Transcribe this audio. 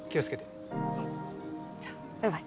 じゃあバイバイ。